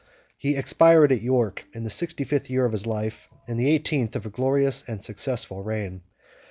He expired at York in the sixty fifth year of his life, and in the eighteenth of a glorious and successful reign.